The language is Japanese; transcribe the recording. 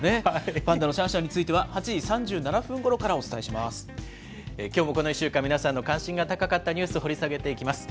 パンダのシャンシャンについては、きょうもこの１週間、皆さんの関心が高かったニュース、掘り下げていきます。